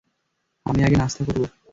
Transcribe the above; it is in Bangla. আমি আগে নাস্তা করব।